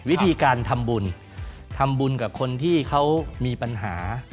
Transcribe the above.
วิธีการทำบุญทำบุญกับคนที่เขามีปัญหา